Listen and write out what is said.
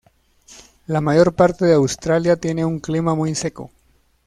La mayor parte de Australia tiene un clima muy seco.